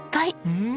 うん！